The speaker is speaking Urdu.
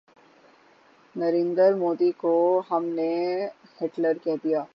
نریندر مودی کو ہم نے ہٹلر کہہ دیا۔